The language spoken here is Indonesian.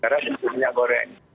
karena itu minyak goreng